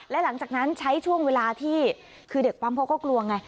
และหลังจากนั้นใช้ช่วงเวลาที่คือเด็กปั๊มเขาก็กลัวไง